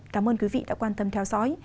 cảm ơn quý vị đã quan tâm theo dõi